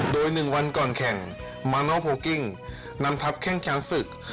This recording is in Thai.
โดยหนึ่งวันก่อนแข่งมานัลโพลกิ้งนำทัพแข่งข้างศึก